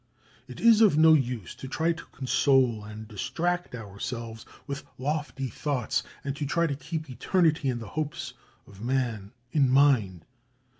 It is of no use to try to console and distract ourselves with lofty thoughts, and to try to keep eternity and the hopes of man in mind.